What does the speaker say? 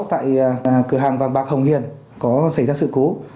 hiện tại công an xã vừa nhận được điện báo tại cửa hàng vàng bạc hồng hiền có xảy ra sự cố